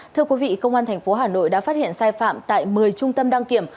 thưa quý vị công an tp hà nội đã phát hiện sai phạm tại một mươi trung tâm đăng kiểm